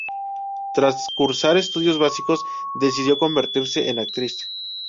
Tras cursar estudios básicos decidió convertirse en actriz.